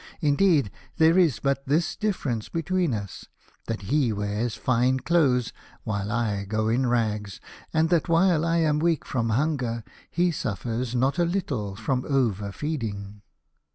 Indeed, there is but this difference between us — that he wears fine clothes while I go in rags, and that while I am weak from hunger he suffers not a little from overfeeding."